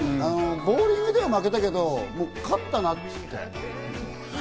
ボウリングでは負けたけど、勝ったなっつって。